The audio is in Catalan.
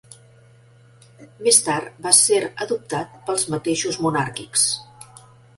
Més tard va ser adoptat pels mateixos monàrquics.